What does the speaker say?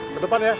ke depan ya